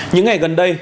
những ngày gần đây